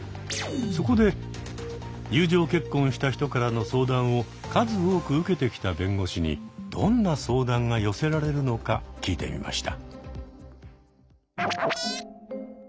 そこで友情結婚した人からの相談を数多く受けてきた弁護士にどんな相談が寄せられるのか聞いてみました。